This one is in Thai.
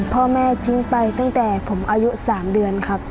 พ่อแม่ทิ้งไปตั้งแต่ผมอายุ๓เดือนครับ